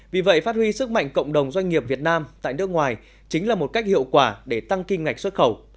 vì vậy phát huy sức mạnh cộng đồng doanh nghiệp việt nam tại nước ngoài chính là một cách hiệu quả để tăng kim ngạch xuất khẩu